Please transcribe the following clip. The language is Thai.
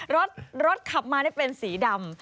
รถขับมาได้เป็นสีดำ